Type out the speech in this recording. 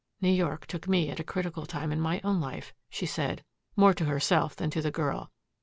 "New York took me at a critical time in my own life," she said more to herself than to the girl.